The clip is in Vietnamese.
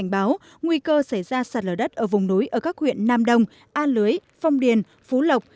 cảnh báo nguy cơ xảy ra sạt lở đất ở vùng núi ở các huyện nam đông a lưới phong điền phú lộc